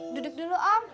duduk dulu om